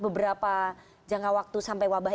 beberapa jangka waktu sampai wabah